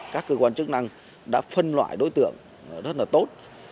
các cơ quan chức năng đã phân loại đối tượng rất là tốt